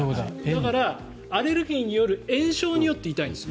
だから、アレルギーによる炎症によって痛いんです。